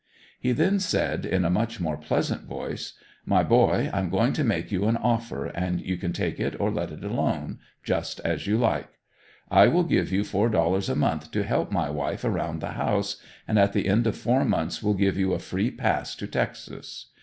He then said in a much more pleasant voice: "My boy I'm going to make you an offer, and you can take it or let it alone just as you like. I will give you four dollars a month to help my wife around the house and at the end of four months will give you a free pass to Texas.